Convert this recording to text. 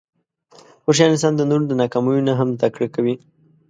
هوښیار انسان د نورو د ناکامیو نه هم زدهکړه کوي.